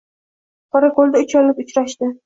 Qorako‘lda uch avlod uchrashding